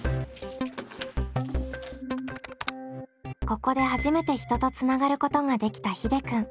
ここで初めて人とつながることができたひでくん。